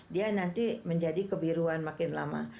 dia nanti menjadi kebiruan makin lama